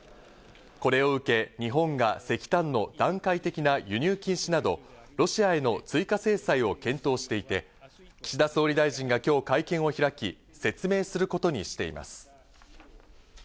これを受け、日本が石炭の段階的な輸入禁止など、ロシアへの追加制裁を検討していて、岸田総理大臣が今日会見を開き、説明することにしています。